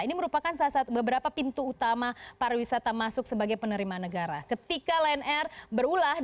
ini merupakan beberapa pintu utama parwisata masuk sebagai penerimaan negara